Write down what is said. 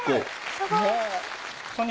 すごい。